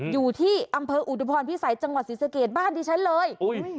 อยู่ที่อำเภออุทพรพิสัยจังหวัดศรีสะเกดบ้านที่ฉันเลยอุ้ย